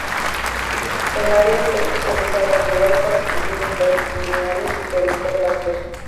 El área está especializada en huertas, cultivos longitudinales y productos lácteos.